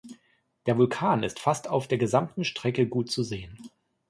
Der Vulkan ist fast auf der gesamten Strecke gut zu sehen.